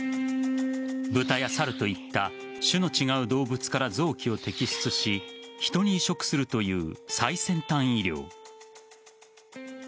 ブタやサルといった種の違う動物から臓器を摘出しヒトに移植するという最先端医療。